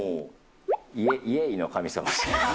イェーイの神様。